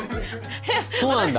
そうなんだ！